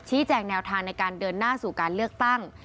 แจ้งแนวทางในการเดินหน้าสู่การเลือกตั้ง